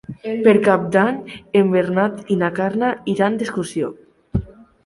Per Cap d'Any en Bernat i na Carla iran d'excursió.